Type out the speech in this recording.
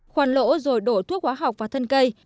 khoan lỗ rồi đổ thuốc hóa học vào thân cây